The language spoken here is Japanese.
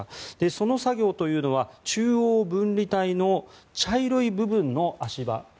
その作業というのは中央分離帯の茶色い部分の足場